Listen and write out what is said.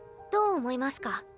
どう思いますか？